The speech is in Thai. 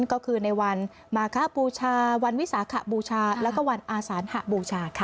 ก็คือในวันมาคบูชาวันวิสาขบูชาแล้วก็วันอาสานหบูชาค่ะ